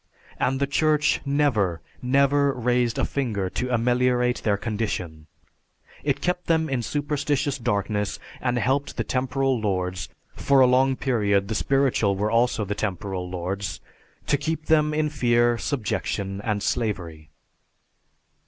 And the Church never, never raised a finger to ameliorate their condition. It kept them in superstitious darkness and helped the temporal lords for a long period the spiritual were also the temporal lords to keep them in fear, subjection and slavery."